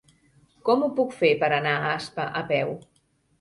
Com ho puc fer per anar a Aspa a peu?